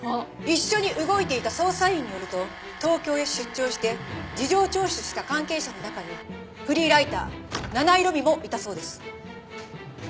一緒に動いていた捜査員によると東京へ出張して事情聴取した関係者の中にフリーライター七井路美もいたそうです。